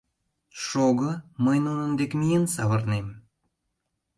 — Шого, мый нунын дек миен савырнем!